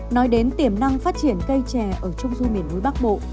nói đến tiềm năng phát triển cây chè ở trung du miền núi bắc bộ